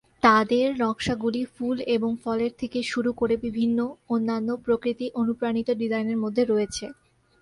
তাদের নকশাগুলি ফুল এবং ফলের থেকে শুরু করে বিভিন্ন অন্যান্য প্রকৃতি-অনুপ্রাণিত ডিজাইনের মধ্যে রয়েছে।